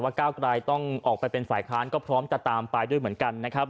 ก้าวกลายต้องออกไปเป็นฝ่ายค้านก็พร้อมจะตามไปด้วยเหมือนกันนะครับ